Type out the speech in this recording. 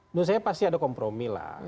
menurut saya pasti ada kompromi lah